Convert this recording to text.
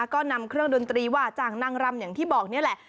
ก็นำเครื่องดนตรีว่าจ้างนางรำอย่างที่บอกนี่แหละ